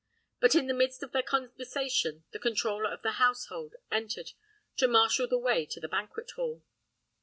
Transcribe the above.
But in the midst of their conversation, the controller of the household entered to marshal the way to the banquet hall.